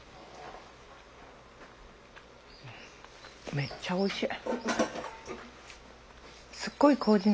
めっちゃおいしい。